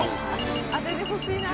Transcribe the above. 当ててほしいな。